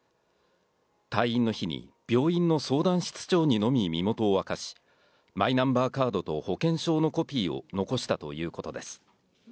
退院の日に、病院の相談室長にのみ身元を明かし、マイナンバーカードと保険証のコピーを残したということです。